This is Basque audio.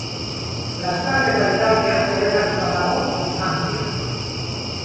Lasterketa bitartean debekatuta dago substantzia.